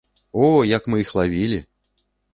О, як мы іх лавілі!